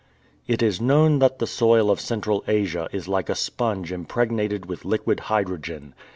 It is known that the soil of Central Asia is like a sponge impregnated with liquid hydrogen.